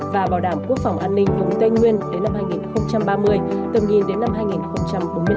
và bảo đảm quốc phòng an ninh vùng tây nguyên đến năm hai nghìn ba mươi tầm nhìn đến năm hai nghìn bốn mươi năm